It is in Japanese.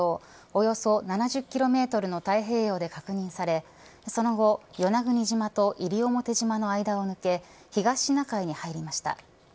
およそ７０キロメートルの太平洋で確認されその後、与那国島と西表島の間を抜け東シナ海に入りました。